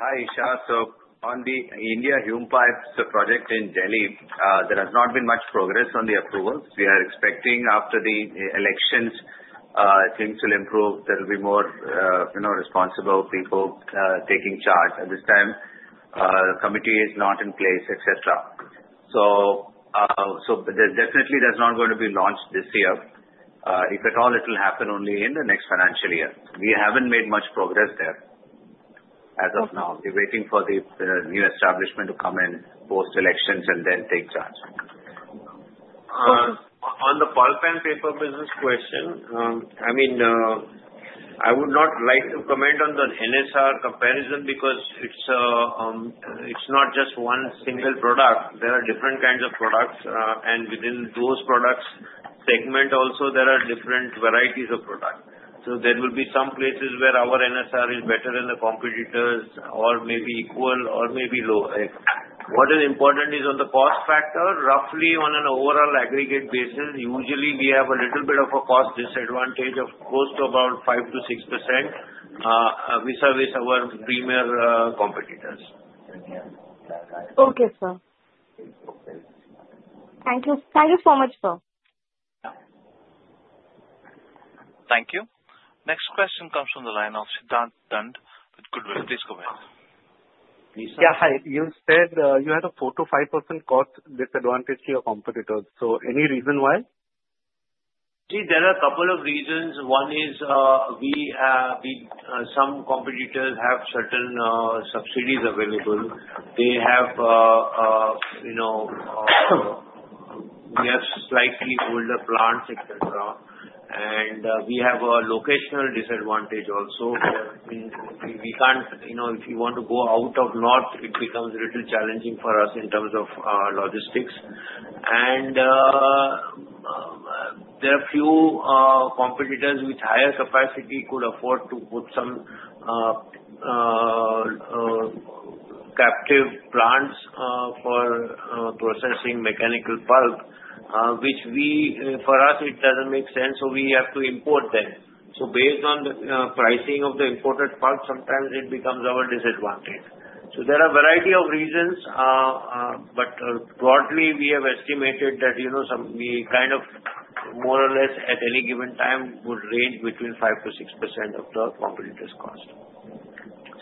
Hi, Isha Shah. So on the Indian Hume Pipe, the project in Delhi, there has not been much progress on the approvals. We are expecting after the elections, things will improve. There will be more responsible people taking charge. At this time, the committee is not in place, etc. So there definitely is not going to be launched this year. If at all, it will happen only in the next financial year. We haven't made much progress there as of now. We're waiting for the new establishment to come in post-elections and then take charge. On the pulp and paper business question, I mean, I would not like to comment on the NSR comparison because it's not just one single product. There are different kinds of products, and within those product segment also, there are different varieties of product. There will be some places where our NSR is better than the competitors, or maybe equal, or maybe lower. What is important is on the cost factor, roughly on an overall aggregate basis. Usually we have a little bit of a cost disadvantage of close to about five to six% with our premier competitors. Okay, sir. Thank you. Thank you so much, sir. Yeah. Thank you. Next question comes from the line of Siddhant Dand with Goodwill. Please go ahead. Yeah. Hi. You said you had a 4%-5% cost disadvantage to your competitors. So any reason why? See, there are a couple of reasons. One is some competitors have certain subsidies available. They have slightly older plants, etc. We have a locational disadvantage also. We can't if you want to go out of north, it becomes a little challenging for us in terms of logistics. There are a few competitors with higher capacity who could afford to put some captive plants for processing mechanical pulp, which for us, it doesn't make sense. So we have to import them. Based on the pricing of the imported pulp, sometimes it becomes our disadvantage. There are a variety of reasons, but broadly, we have estimated that we kind of more or less at any given time would range between 5%-6% of the competitors' cost.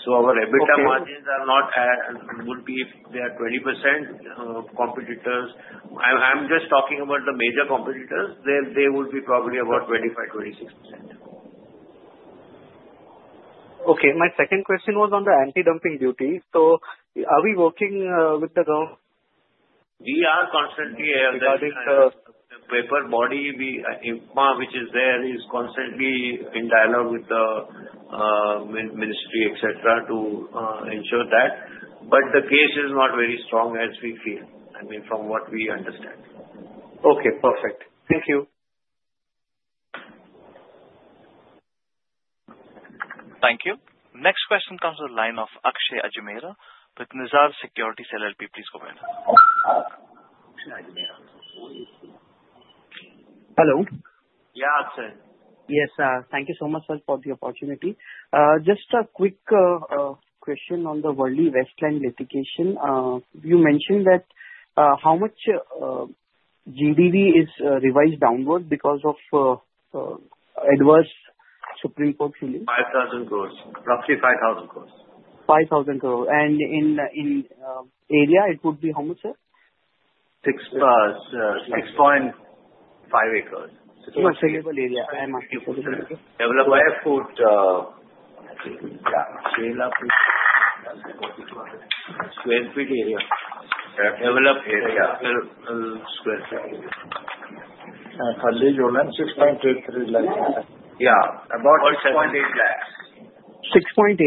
Our EBITDA margins are not would be if they are 20% competitors. I'm just talking about the major competitors. They would be probably about 25%-26%. Okay. My second question was on the anti-dumping duty. So are we working with the government? We are constantly. Regarding the. Paper body, which is there, is constantly in dialogue with the ministry, etc., to ensure that. But the case is not very strong as we feel, I mean, from what we understand. Okay. Perfect. Thank you. Thank you. Next question comes from the line of Akshay Ajmera with Nirzar Securities. Please go ahead. Hello. Yeah, Akshay. Yes, sir. Thank you so much, sir, for the opportunity. Just a quick question on the Worli Millland litigation. You mentioned that how much GDV is revised downward because of adverse Supreme Court ruling? 5,000 crores. Roughly 5,000 crores. 5,000 crores. And in area, it would be how much, sir? 6,000. 6.5 acres. You're a sellable area. I'm asking. Developed by a foot. Yeah. 12 feet area. Developed area. 12 sq ft area. How many? 6.83 lakhs. Yeah. About 6.8 lakhs. 6.8?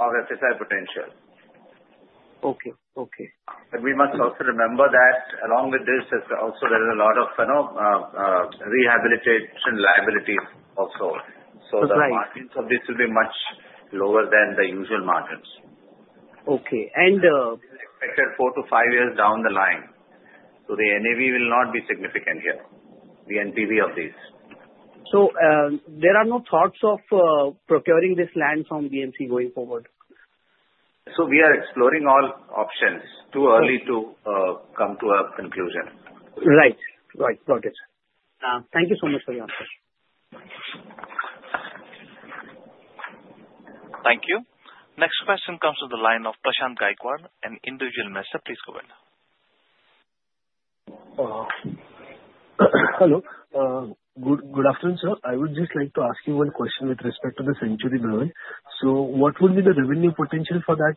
Of FSI potential. Okay. Okay. But we must also remember that along with this, there's also a lot of rehabilitation liabilities also. So the margins of this will be much lower than the usual margins. Okay. And. We expect that four-to-five years down the line. So the NAV will not be significant here. The NPV of these. So there are no thoughts of procuring this land from BMC going forward? We are exploring all options. Too early to come to a conclusion. Right. Right. Got it. Thank you so much for your answer. Thank you. Next question comes from the line of Prashant Gaikwad, an individual investor. Please go ahead. Hello. Good afternoon, sir. I would just like to ask you one question with respect to the Century Bhavan, so what would be the revenue potential for that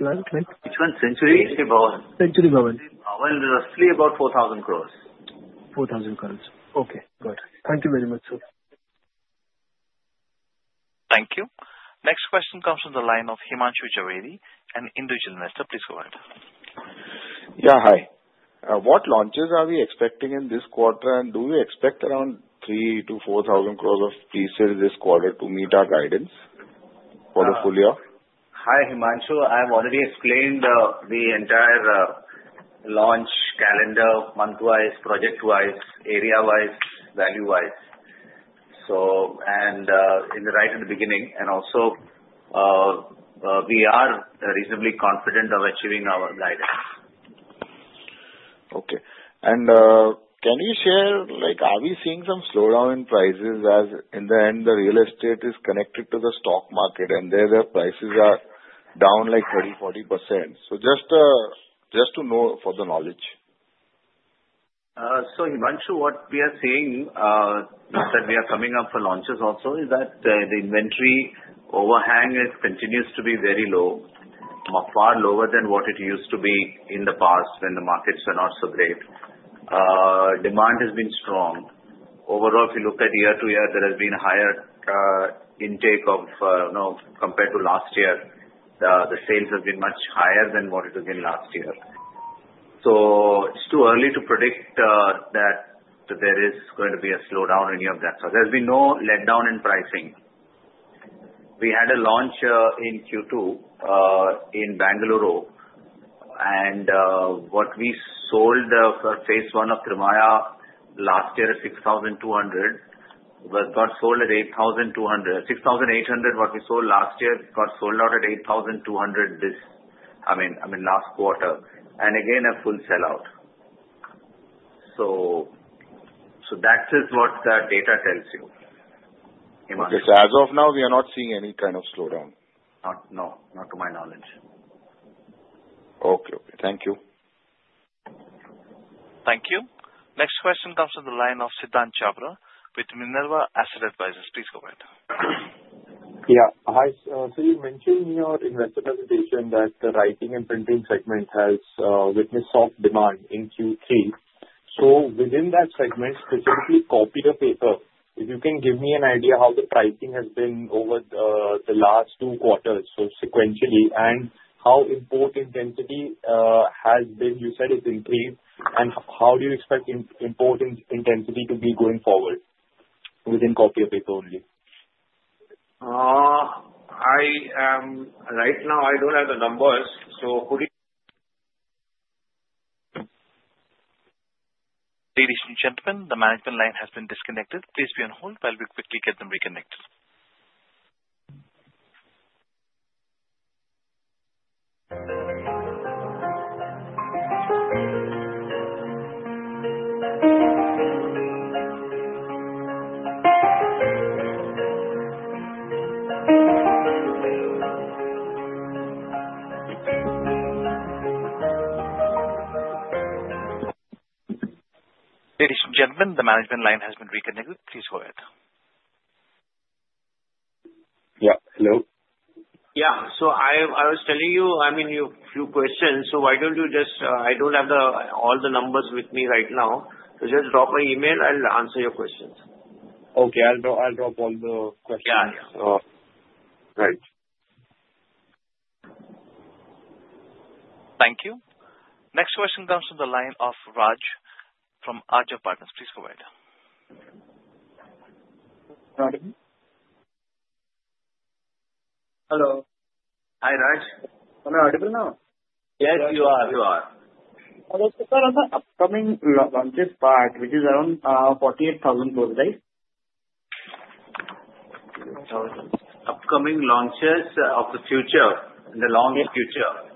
plant? Which one? Century Bhavan? Century Bhavan. Bhavan, roughly about 4,000 crores. 4,000 crores. Okay. Got it. Thank you very much, sir. Thank you. Next question comes from the line of Himanshu Jhaveri, an individual investor. Please go ahead. Yeah. Hi. What launches are we expecting in this quarter? And do we expect around 3-4,000 crores of pre-sales this quarter to meet our guidance portfolio? Hi, Himanshu. I've already explained the entire launch calendar month-wise, project-wise, area-wise, value-wise. And right at the beginning. And also, we are reasonably confident of achieving our guidance. Okay, and can you share are we seeing some slowdown in prices as in the end, the real estate is connected to the stock market, and there the prices are down like 30%-40%? So just to know for the knowledge. Himanshu, what we are seeing that we are coming up for launches also is that the inventory overhang continues to be very low, far lower than what it used to be in the past when the markets were not so great. Demand has been strong. Overall, if you look at year to year, there has been a higher intake compared to last year. The sales have been much higher than what it has been last year. It's too early to predict that there is going to be a slowdown or any of that. There has been no letdown in pricing. We had a launch in Q2 in Bengaluru. And what we sold for phase one of Trimaya last year, 6,200, got sold at 8,200. 6,800, what we sold last year, got sold out at 8,200 this I mean, last quarter. And again, a full sellout. So that is what the data tells you. Okay. So as of now, we are not seeing any kind of slowdown? No. Not to my knowledge. Okay. Thank you. Thank you. Next question comes from the line of Siddhant Chhabra with Minerva Asset Advisors. Please go ahead. Yeah. Hi. So you mentioned in your investor presentation that the writing and printing segment has witnessed soft demand in Q3. So within that segment, specifically copier paper, if you can give me an idea how the pricing has been over the last two quarters, so sequentially, and how import intensity has been, you said it's increased. And how do you expect import intensity to be going forward within copier paper only? Right now, I don't have the numbers. So could it? Ladies and gentlemen, the management line has been disconnected. Please be on hold while we quickly get them reconnected. Ladies and gentlemen, the management line has been reconnected. Please go ahead. Yeah. Hello. Yeah. So I was telling you, I mean, a few questions. So why don't you just. I don't have all the numbers with me right now. So just drop me an email. I'll answer your questions. Okay. I'll drop all the questions. Yeah. Yeah. Right. Thank you. Next question comes from the line of Raj from Ajav Partners. Please go ahead. Hello. Hi, Raj. Hello. Audible now? Yes, you are. You are. Hello. So, sir, on the upcoming launches part, which is around 48,000 crores, right? Upcoming launches of the future, in the long future.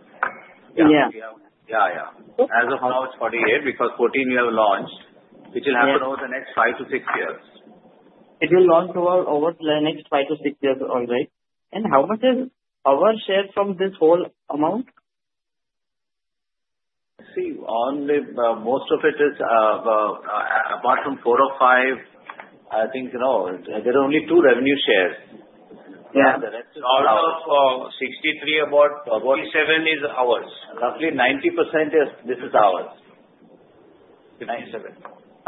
Yeah. As of now, it's 48 because 14 we have launched. It will happen over the next five to six years. It will launch over the next five-to-six years already. And how much is our share from this whole amount? See, most of it is apart from four or five, I think. No. There are only two revenue shares. Yeah. The rest is ours. Out of 63, about 47 is ours. Roughly 90% is ours. 57.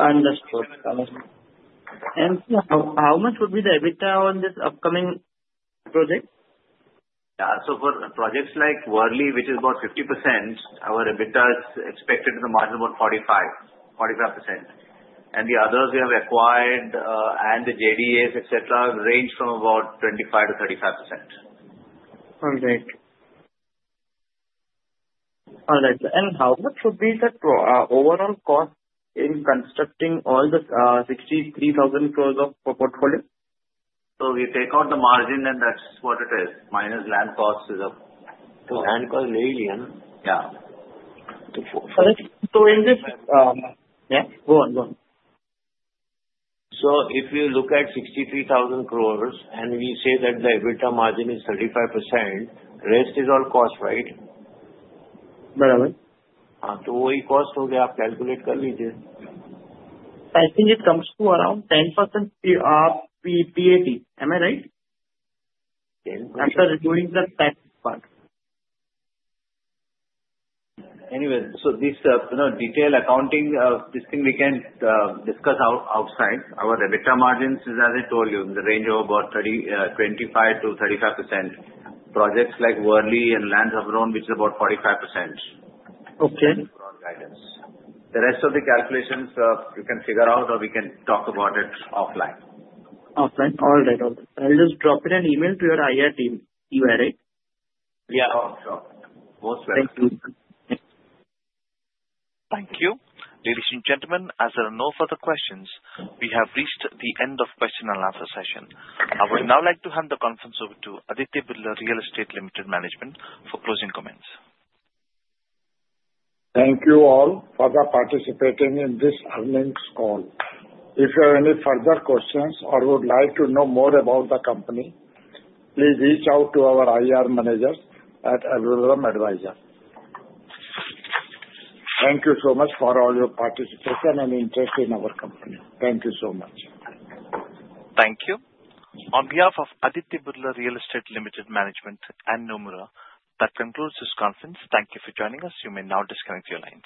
Understood. Understood. And how much would be the EBITDA on this upcoming project? Yeah. So for projects like Worli, which is about 50%, our EBITDA is expected to be margin about 45%. And the others we have acquired and the JDAs, etc., range from about 25%-35%. All right. All right. How much would be the overall cost in constructing all the 63,000 crores of portfolio? So we take out the margin, and that's what it is, minus land cost. Land cost is very little, yeah? Yeah. So in this. Yeah? Go on. Go on. So if you look at 63,000 crores and we say that the EBITDA margin is 35%, rest is all cost, right? Barabar. तो वही cost हो गया। आप calculate कर लीजिए. I think it comes to around 10% PAT. Am I right? 10%. After doing the tax part. Anyway, so this detailed accounting, this thing we can discuss outside. Our EBITDA margin is, as I told you, in the range of about 25%-35%. Projects like Worli and Lands of Rayon, which is about 45%. Okay. That is our guidance. The rest of the calculations, you can figure out or we can talk about it offline. Offline. All right. I'll just drop it and email to your IR team. You are right? Yeah. Sure. Most well. Thank you. Thank you. Ladies and gentlemen, as there are no further questions, we have reached the end of question and answer session. I would now like to hand the conference over to Aditya Birla Real Estate Limited Management, for closing comments. Thank you all for participating in this earnings call. If you have any further questions or would like to know more about the company, please reach out to our IR managers at Ajmera Advisors. Thank you so much for all your participation and interest in our company. Thank you so much. Thank you. On behalf of Aditya Birla Real Estate Limited Management, and Nomura, that concludes this conference. Thank you for joining us. You may now disconnect your lines.